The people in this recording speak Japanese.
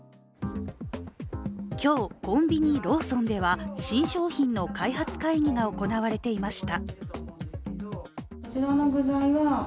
今日、コンビニ・ローソンでは新商品の開発会議が行われていました。